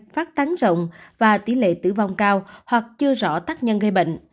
phát tán rộng và tỷ lệ tử vong cao hoặc chưa rõ tác nhân gây bệnh